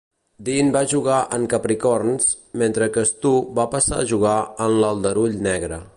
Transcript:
Dean va jugar en Capricorns, mentre que Stu va passar a jugar en l'Aldarull negre.